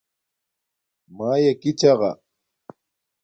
مݳیݺ کݵ چغݳ.